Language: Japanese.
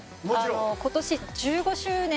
今年１５周年。